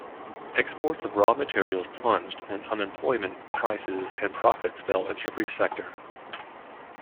Exports of raw materials plunged, and employment, prices and profits fell in every sector.